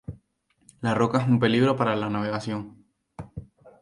La roca es un peligro para la navegación.